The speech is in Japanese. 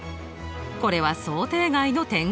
これは想定外の展開。